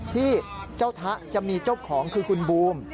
ที่เจ้าทะจะมีเจ้าของคือคุณบูม